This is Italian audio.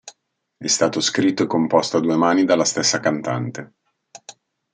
È stato scritto e composto a due mani dalla stessa cantante.